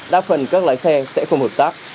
đa phần các lái xe sẽ không hợp tác